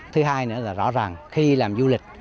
thứ hai nữa là rõ ràng khi làm du lịch